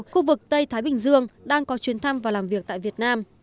khu vực tây thái bình dương đang có chuyến thăm và làm việc tại việt nam